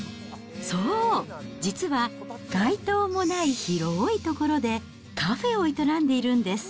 そう、実は街灯もない広い所でカフェを営んでいるんです。